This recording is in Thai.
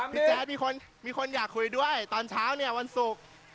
พี่แจ๊ดมีคนอยากคุยด้วยตอนเช้าเนี่ยวันสุข